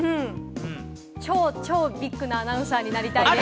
超超ビッグなアナウンサーになりたいです。